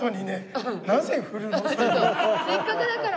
せっかくだから。